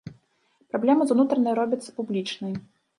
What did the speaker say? Праблема з унутранай робіцца публічнай.